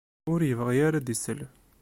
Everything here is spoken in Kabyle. Ur yebɣi ara ad d-isel.